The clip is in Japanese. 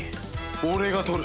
俺が取る！